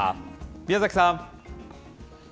宮崎さん。